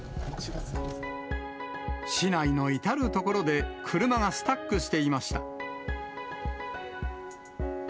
市内の至る所で車がスタックしていました。